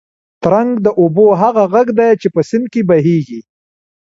ترنګ د اوبو هغه غږ دی چې په سیند کې بهېږي.